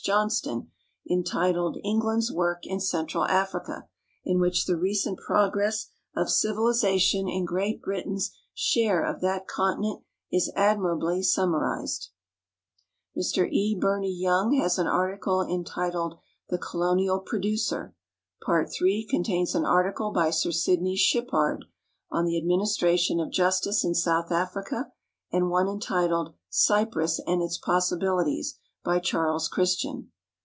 Johnston, entitled "England's Work in Central Africa," in which the recent progress of civilizatit)n in Great Britain's share of that continent is admiralily sunnnarized. Mr 1 28 NA TIONAL GEOGRA PHIC SOCIETY E. Burney Young has an article entitled "The Colonial Producer." Part III contains an article by Sir Sidney Shippard on the Administration of Justice in South Africa, and one entitled " Cyprus and Its Possibilities," by Charles Christian.